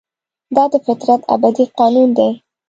دا د فطرت ابدي قانون دی.